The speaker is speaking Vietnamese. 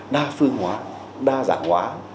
đa phương hóa đa dạng hóa